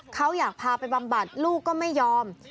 เขาอยากพาไปบำบัดลูกก็ไม่ยอม